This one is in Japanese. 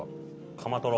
カマトロ。